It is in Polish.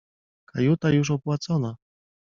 — Kajuta już opłacona!